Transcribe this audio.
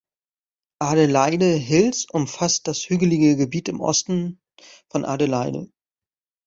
Adelaide Hills umfasst das hügelige Gebiet im Osten von Adelaide.